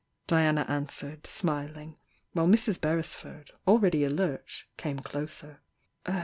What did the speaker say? Diana answered, smiling, while Mrs. Beresford, tdready alert, came closer.